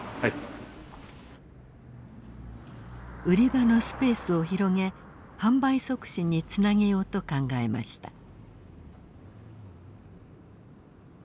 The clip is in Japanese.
売り場のスペースを広げ販売促進につなげようと考えました。